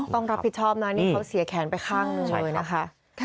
ต้องรับผิดชอบนะนี่เขาเสียแขนไปข้างหนึ่งเลยนะคะ